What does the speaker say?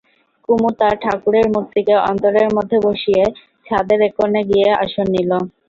কুমু তার ঠাকুরের মূর্তিকে অন্তরের মধ্যে বসিয়ে ছাদের এক কোণে গিয়ে আসন নিল।